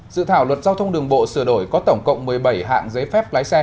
dự thảo luật giao thông đường bộ sửa đổi có tổng cộng một mươi bảy hạng giấy phép lái xe